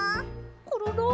コロロ？